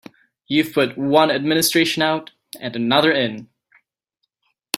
You've put one administration out and another in.